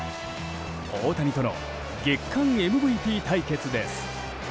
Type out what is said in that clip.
大谷との月間ＭＶＰ対決です。